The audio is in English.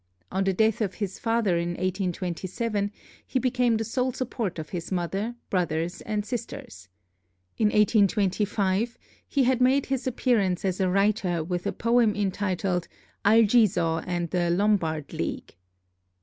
On the death of his father in 1827 he became the sole support of his mother, brothers, and sisters. In 1825 he had made his appearance as a writer with a poem entitled 'Algiso and the Lombard League.'